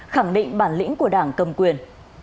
khẳng định bản lĩnh của đảng cầm quyền